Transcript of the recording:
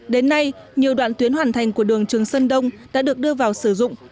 đến nay nhiều đoạn tuyến hoàn thành của đường trường sơn đông đã được đưa vào sử dụng